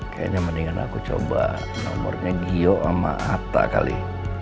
kayaknya mendingan aku coba nomornya gio sama ata kali